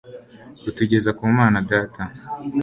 rutugeza ku mana data